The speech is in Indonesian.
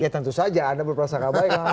ya tentu saja anda berperasaan gak baik